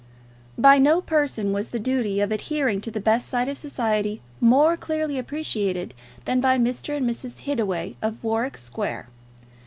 By no persons was the duty of adhering to the best side of society more clearly appreciated than by Mr. and Mrs. Hittaway of Warwick Square.